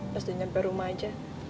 pas udah nyampe rumah aja